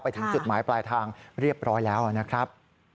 ถึงจุดหมายปลายทางเรียบร้อยแล้วนะครับ